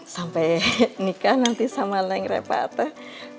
sampai nikah nanti sama neng reva tuh